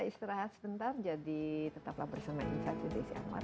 istirahat sebentar jadi tetaplah bersama insat judisi anwar